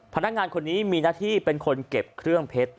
พนักงานคนนี้มีหน้าที่เป็นคนเก็บเครื่องเพชร